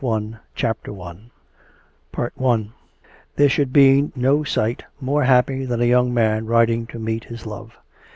PART I CHAPTER I There should be no sight more happy than a young man riding to meet his love.